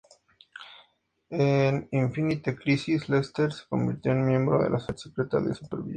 En "Infinite Crisis", Lester se convirtió en miembro de la Sociedad Secreta de Supervillanos.